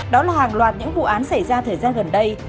đó là hàng loạt những vụ án xảy ra thời gian gần đây